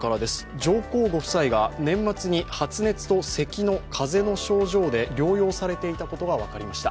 上皇ご夫妻が年末に発熱とせきの風邪の症状で療養されていたことが分かりました。